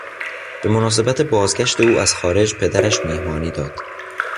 به مناسبت بازگشت او از خارج پدرش میهمانی داد.